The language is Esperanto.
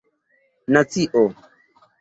nacio